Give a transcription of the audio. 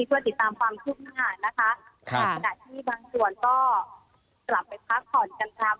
เพื่อติดตามความชุดงานนะคะค่ะแต่ที่บางส่วนก็กลับไปพักผ่อนกันครับ